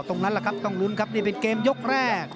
ตรงนั้นแหละครับต้องลุ้นครับนี่เป็นเกมยกแรก